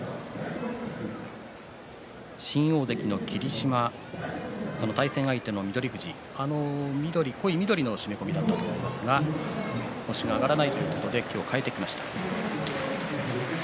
新大関の霧島その対戦相手の翠富士濃い緑の締め込みだったと思うんですが星が挙がらないということで今日、替えてきました。